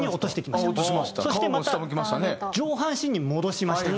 そしてまた上半身に戻しました。